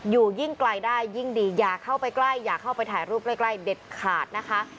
อยู่ยิ่งไกลได้ยิ่งดีอย่าเข้าไปใกล้อย่าเข้าไปถ่ายรูปใกล้เด็ดขาดนะคะ